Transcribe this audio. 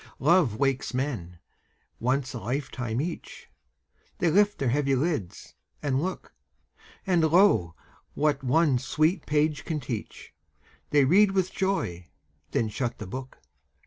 Love wakes men, once a lifetime each; They lift their heavy lids, and look; And, lo, what one sweet page can teach, They read with joy, then shut the book.